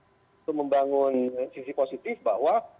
untuk membangun sisi positif bahwa